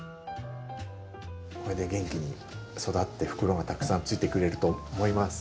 これで元気に育って袋がたくさんついてくれると思います。